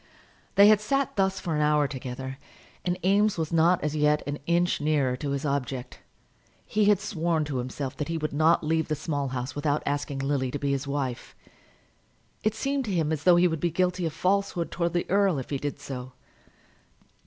They had sat thus for an hour together, and Eames was not as yet an inch nearer to his object. He had sworn to himself that he would not leave the Small House without asking Lily to be his wife. It seemed to him as though he would be guilty of falsehood towards the earl if he did so.